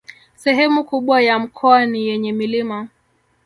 Sehemu kubwa ya mkoa ni yenye milima